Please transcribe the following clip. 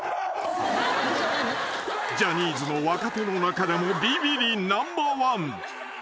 ［ジャニーズの若手の中でもビビリナンバーワン］